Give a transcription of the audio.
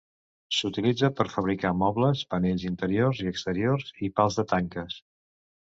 S'utilitza per fabricar mobles, panells interiors i exteriors i pals de tanques.